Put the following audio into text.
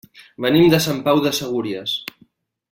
Venim de Sant Pau de Segúries.